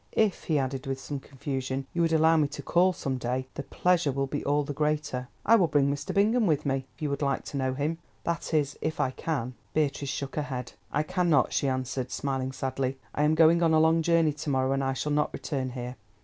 If," he added with some confusion, "you would allow me to call some day, the pleasure will be all the greater. I will bring Mr. Bingham with me, if you would like to know him—that is, if I can." Beatrice shook her head. "I cannot," she answered, smiling sadly. "I am going on a long journey to morrow, and I shall not return here.